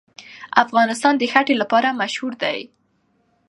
افغانستان د ښتې لپاره مشهور دی.